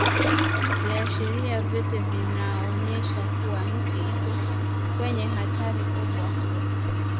Viashiria vyote vinaonyesha kuwa nchi iko kwenye hatari kubwa